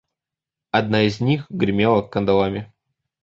Одна из них гремела кандалами.